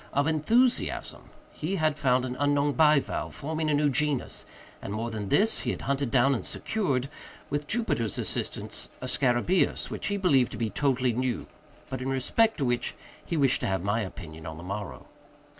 —of enthusiasm. He had found an unknown bivalve, forming a new genus, and, more than this, he had hunted down and secured, with Jupiter's assistance, a scarabæus which he believed to be totally new, but in respect to which he wished to have my opinion on the morrow.